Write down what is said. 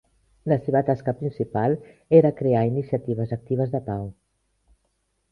La seva tasca principal era crear iniciatives actives de pau.